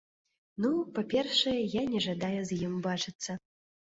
Ну, па-першае, я не жадаю з ім бачыцца.